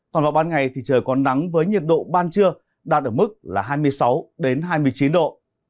còn vào ban ngày thì trời còn nắng với nhiệt độ ban trưa đạt ở mức là hai mươi sáu hai mươi chín độ